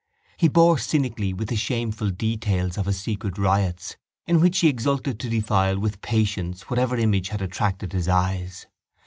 He bore cynically with the shameful details of his secret riots in which he exulted to defile with patience whatever image had attracted his eyes.